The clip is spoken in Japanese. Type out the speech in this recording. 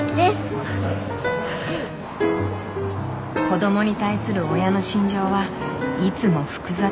子どもに対する親の心情はいつも複雑。